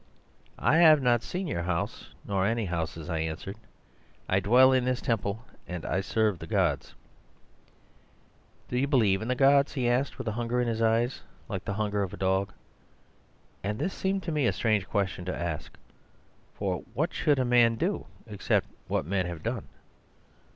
"'I have not seen your house nor any houses,' I answered. 'I dwell in this temple and serve the gods.' "'Do you believe in the gods?' he asked with hunger in his eyes, like the hunger of dogs. And this seemed to me a strange question to ask, for what should a man do except what men have done?